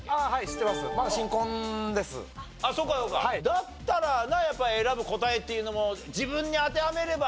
だったらなやっぱ選ぶ答えっていうのも自分に当てはめれば。